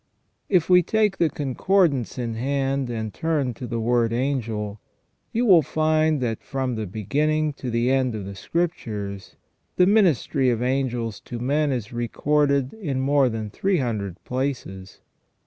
If we take the Concordance in hand, and turn to the word Angel, you will find that from the be ginning to the end of the Scriptures the ministry of angels to men is recorded in more than three hundred places.